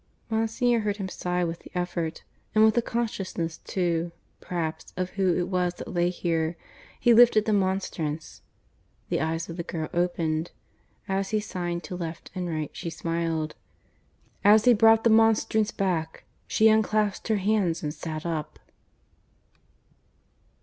Monsignor heard him sigh with the effort, and with the consciousness too, perhaps, of who it was that lay here; he lifted the monstrance; the eyes of the girl opened. As he signed to left and right she smiled. As he brought the monstrance back she unclasped her hands and sat up.